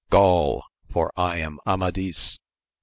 Gaul ! for I am Amadis.